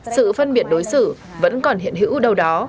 sự phân biệt đối xử vẫn còn hiện hữu đâu đó